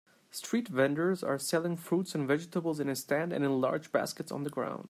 Street vendors are selling fruits and vegetables in a stand and in large baskets on the ground.